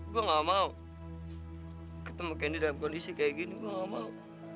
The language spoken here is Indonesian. gue gak mau ketemu kenny dalam kondisi kayak gini gue gak mau